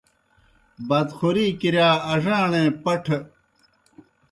بادخوری کِرِیا اڙاݨے پٹھہ چبَق بَق تھے پُھڙجِلیْ زائی جیْ بِدینَن۔